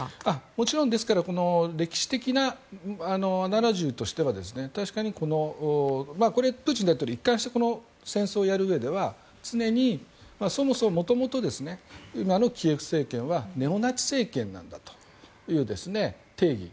もちろん歴史的なアナロジーとしては確かにプーチン大統領一貫してこの戦争をやるうえでは常に元々、今のキーウ政権はネオナチ政権なんだという定義。